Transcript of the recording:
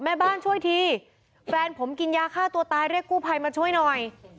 แม่บ้านช่วยทีแฟนผมกินยาฆ่าตัวตายเรียกกู้ภัยมาช่วยหน่อย